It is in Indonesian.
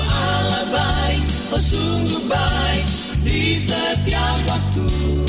alam baik oh sungguh baik di setiap waktu